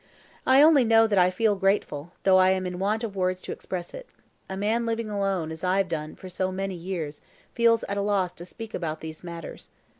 "I only know that I feel grateful, though I am in want of words to express it. A man living alone, as I have done for so many years, feels at a loss to speak about these matters.